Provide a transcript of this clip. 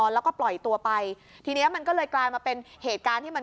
แล้วก็ปล่อยตัวไปทีเนี้ยมันก็เลยกลายมาเป็นเหตุการณ์ที่มัน